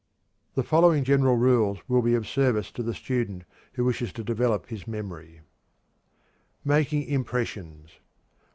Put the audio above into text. The following general rules will be of service to the student who wishes to develop his memory: _Making Impressions.